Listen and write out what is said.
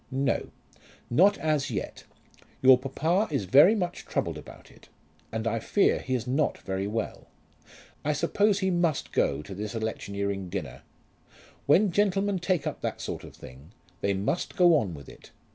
"No; not as yet. Your papa is very much troubled about it, and I fear he is not very well. I suppose he must go to this electioneering dinner. When gentlemen take up that sort of thing, they must go on with it.